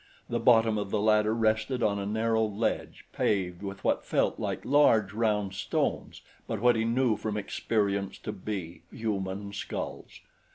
The bottom of the ladder rested on a narrow ledge paved with what felt like large round stones, but what he knew from experience to be human skulls.